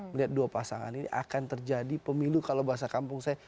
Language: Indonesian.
melihat dua pasangan ini akan terjadi pemilu kalau bahasa kampung saya